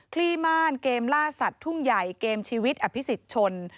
ลี่ม่านเกมล่าสัตว์ทุ่งใหญ่เกมชีวิตอภิษฎชน